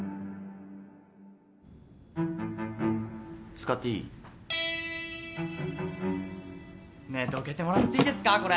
使っていい？ねえどけてもらっていいですかこれ。